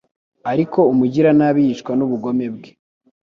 ariko umugiranabi yicwa n’ubugome bwe